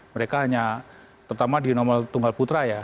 mereka hanya terutama di nomor tunggal putra ya